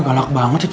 galak banget sih